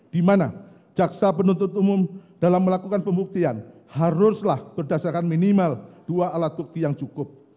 di mana jaksa penuntut umum dalam melakukan pembuktian haruslah berdasarkan minimal dua alat bukti yang cukup